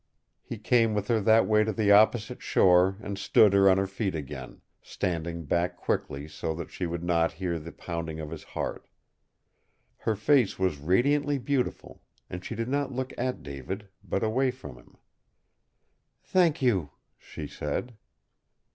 He came with her that way to the opposite shore and stood her on her feet again, standing back quickly so that she would not hear the pounding of his heart. Her face was radiantly beautiful, and she did not look at David, but away from him. "Thank you," she said.